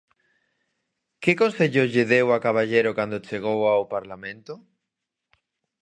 Que consello lle deu a Caballero cando chegou ao Parlamento?